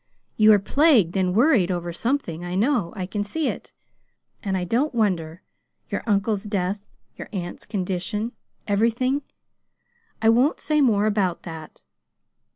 You are plagued and worried over something, I know. I can see it. And I don't wonder: your uncle's death, your aunt's condition, everything I won't say more about that.